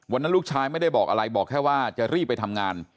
วันนั้นลูกชายไม่ได้บอกอะไรบอกแค่ว่าจะรีบไปทำงาน